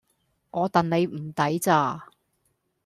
我戥你唔抵咋